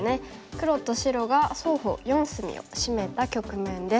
黒と白が双方４隅をシメた局面です。